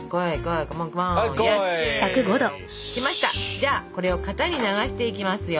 じゃあこれを型に流していきますよ。